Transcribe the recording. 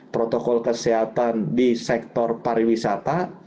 protokol kesehatan di sektor pariwisata